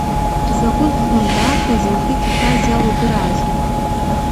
Закәытә хлымӡаахыз лхы иҭашәаз иалудраази.